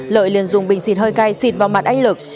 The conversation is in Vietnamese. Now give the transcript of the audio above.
lợi liền dùng bình xịt hơi cay xịt vào mặt anh lực